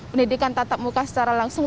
pendidikan tatap muka secara langsung